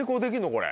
これ。